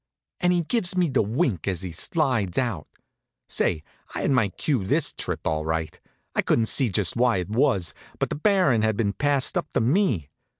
and he gives me the wink as he slides out. Say, I had my cue this trip, all right. I couldn't see just why it was, but the Baron had been passed up to me.